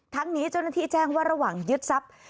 ทั้งนี้เจ้าหน้าที่แจ้งว่าระหว่างยึดทรัพย์